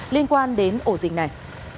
liên quan đến ổ dịch này